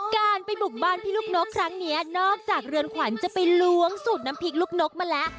การไปบุกบ้านพี่ลูกนกครั้งนี้นอกจากเรือนขวัญจะไปล้วงสูตรน้ำพริกลูกนกมาแล้ว